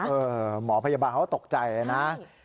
หมอพยาบาลเขาก็ตกใจนะ